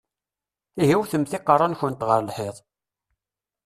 Ihi wwtemt iqeṛṛa-nkent ɣer lḥiḍ!